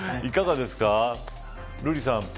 いかがですか、瑠麗さん。